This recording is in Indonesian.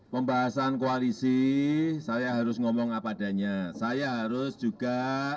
pembahasan koalisi saya harus ngomong apa adanya saya harus juga